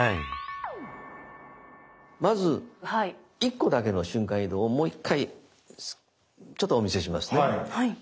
まず１個だけの瞬間移動をもう一回ちょっとお見せしますね。